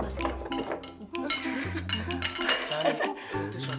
makanya begitu cuman